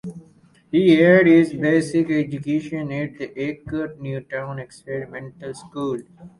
He had his basic education at the Accra New Town Experimental School.